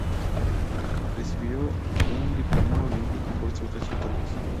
Recibió un diploma olímpico por sus resultados.